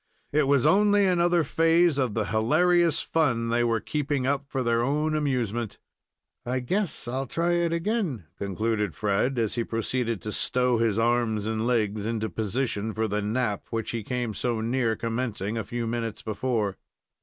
It was only another phase of the hilarious fun they were keeping up for their own amusement. "I guess I'll try it again," concluded Fred, as he proceeded to stow his arms and legs into position for the nap which he came so near commencing a few minutes before.